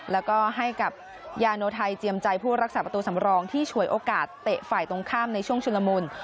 แล้วก็ให้กับยาโนไทยเจียมใจผู้รักษาประตูสำรองที่ฉวยโอกาสเตะฝ่ายตรงข้ามในช่วงชุนละมุน